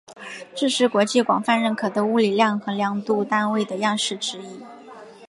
这是国际广泛认可的物理量和量度单位的样式指引。